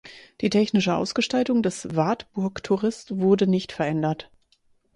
Die technische Ausgestaltung des Wartburg Tourist wurde nicht verändert.